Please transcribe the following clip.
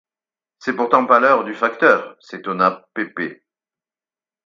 C’est pourtant pas l’heure du facteur, s’étonna Pépé.